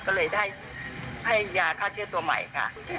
ก็เลยได้ให้ยาฆ่าเชื้อตัวใหม่ค่ะ